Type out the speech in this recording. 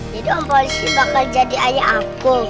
jadi om paulus ini bakal jadi ayah aku